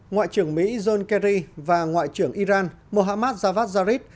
ngoại trưởng mỹ john kerry và ngoại trưởng iran mohammad javad zarif